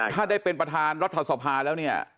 ถ้าได้เป็นบรรทาลทรสภาแล้ว